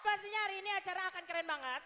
pastinya hari ini acara akan keren banget